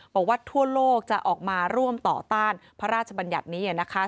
บอกว่าทั่วโลกจะออกมาร่วมต่อต้านพระราชบัญญัตินี้นะคะ